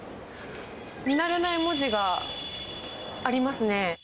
見慣れない文字がありますね。